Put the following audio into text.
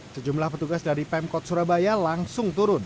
sejumlah petugas dari pemkot surabaya langsung turun